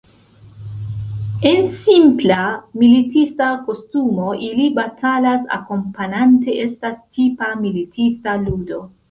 En simpla militista kostumo ili batalas akompanate estas tipa militista ludo.